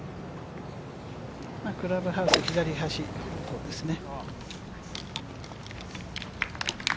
クラブハウス左端ですね。